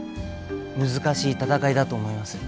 難しい闘いだと思います。